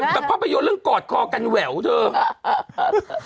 ภาพยนตร์เรื่องกอดคอกันแหววเถอะ